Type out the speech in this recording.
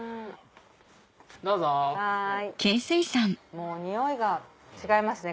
もうにおいが違いますね